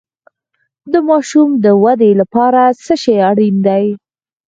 د ماشوم د ودې لپاره څه شی اړین دی؟